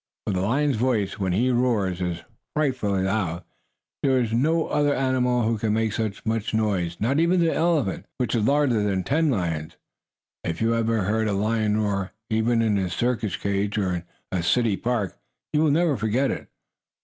For the lion's voice, when he roars, is frightfully loud. There is no other animal who can make so much noise not even the elephant, which is larger than ten lions. If you have ever heard a lion roar, even in his circus cage, or in a city park, you will never forget it.